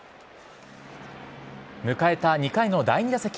迎えた２回の第２打席。